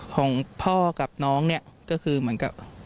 ของพ่อกับน้องเนี่ยก็คือเหมือนกับ